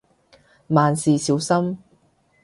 萬事小心